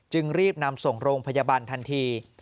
รีบนำส่งโรงพยาบาลทันที